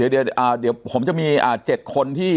เดี๋ยวผมจะมี๗คนที่